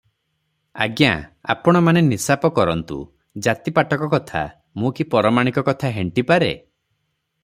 ଆଜ୍ଞା, ଆପଣମାନେ ନିଶାପ କରନ୍ତୁ, ଜାତିପାଟକ କଥା, ମୁଁ କି ପରମାଣିକ କଥା ହେଣ୍ଟି ପାରେଁ?